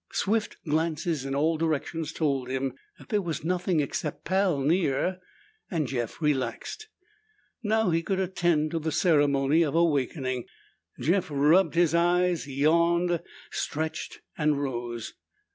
Swift glances in all directions told him that there was nothing except Pal near, and Jeff relaxed. Now he could attend to the ceremony of awakening. Jeff rubbed his eyes, yawned, stretched and rose.